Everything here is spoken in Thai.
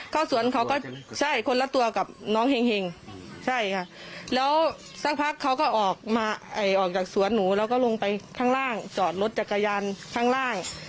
เข้าสวนเขาก็ใช่คนละตัวกับน้องเห็งใช่ค่ะแล้วสักพักเขาก็ออกมาออกจากสวนหนูแล้วก็ลงไปข้างล่างจอดรถจักรยานข้างล่าง